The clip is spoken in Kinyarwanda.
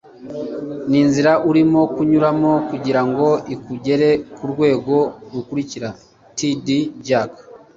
Ni inzira urimo kunyuramo kugira ngo ikugere ku rwego rukurikira. ”- T.D. Jakes